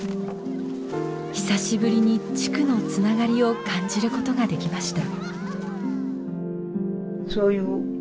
久しぶりに地区のつながりを感じることができました。